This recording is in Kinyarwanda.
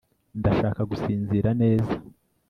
ndashaka gusinzira neza